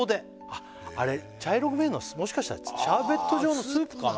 あっあれ茶色く見えるのはもしかしたらシャーベット状のスープかな？